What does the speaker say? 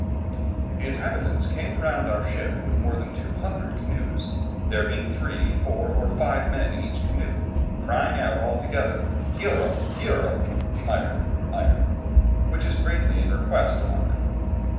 "The inhabitants came around our ship with more than 200 canoes, there being three, four, or five men in each canoe, crying out all together: 'Hierro, hierro' (iron, iron), which is greatly in request amongst them.